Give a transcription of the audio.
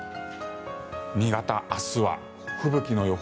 新潟、明日は吹雪の予報。